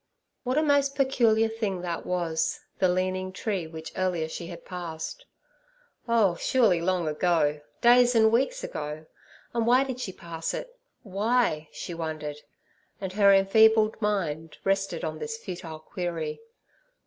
What a most peculiar thing that was, the leaning tree which earlier she had passed—oh, surely long ago—days and weeks ago; and why did she pass it? Why? she wondered, and her enfeebled mind rested in this futile query.